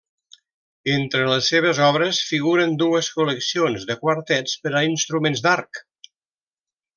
Entre les seves obres figuren dues col·leccions de quartets per a instruments d'arc.